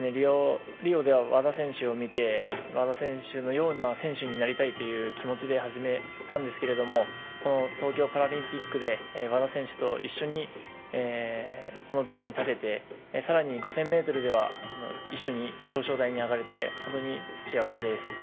リオでは和田選手を見て和田選手のような選手になりたいという気持ちで始めたのですがこの東京パラリンピックで和田選手と一緒にこの舞台に立ててさらに、５０００ｍでは一緒に表彰台に上がれて本当に幸せです。